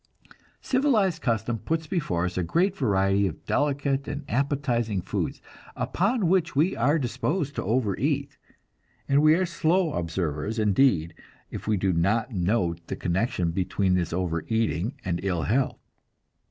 Civilized custom puts before us a great variety of delicate and appetizing foods, upon which we are disposed to overeat; and we are slow observers indeed if we do not note the connection between this overeating and ill health.